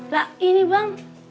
lah ini bang